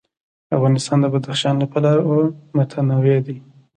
افغانستان د بدخشان له پلوه متنوع دی.